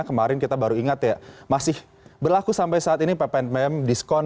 kemarin kita baru ingat ya masih berlaku sampai saat ini ppnbm diskon